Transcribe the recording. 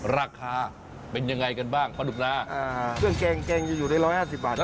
ราคาเป็นอย่างไรบ้างปะดุกนะอะเปลือกแกงอยู่ใน๑๕๐บาท